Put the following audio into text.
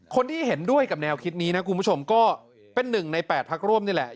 คนที่เห็นด้วยกับแนวคิดนี้นะคุณผู้ชมก็เป็นหนึ่งใน๘พักร่วมนี่แหละ